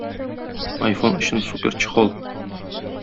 Айфон өчен суперчехол